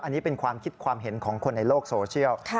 อันนี้เป็นความคิดความเห็นของคนในโลกโซเชียล